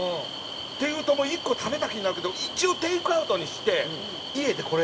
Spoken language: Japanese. っていうと１個食べた気になるけど一応テイクアウトにして家でこれ食べます。